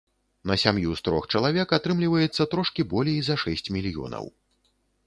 На сям'ю з трох чалавек атрымліваецца трошкі болей за шэсць мільёнаў.